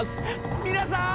『皆さん！